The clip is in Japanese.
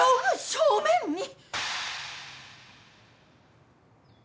正面に！